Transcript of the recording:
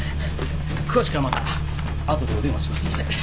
詳しくはまた後でお電話しますので。